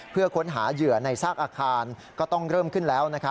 เพื่อค้นหาเหยื่อในซากอาคารก็ต้องเริ่มขึ้นแล้ว